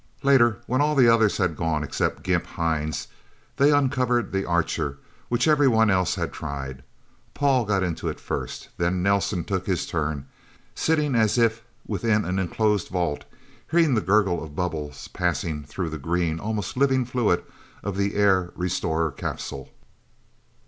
Later, when all the others had gone, except Gimp Hines, they uncovered the Archer, which everyone else had tried. Paul got into it, first. Then Nelsen took his turn, sitting as if within an inclosed vault, hearing the gurgle of bubbles passing through the green, almost living fluid of the air restorer capsule.